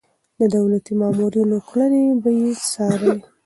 د دولتي مامورينو کړنې به يې څارلې.